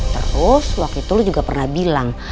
terus waktu itu lu juga pernah bilang